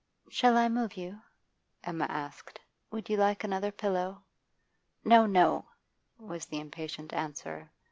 'Shall I move you?' Emma asked. 'Would you like another pillow?' 'No, no,' was the impatient answer.